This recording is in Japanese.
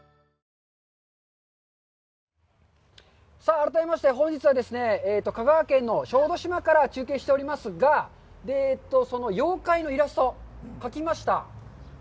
改めまして、本日は香川県の小豆島から中継しておりますが、その妖怪のイラスト、描きました。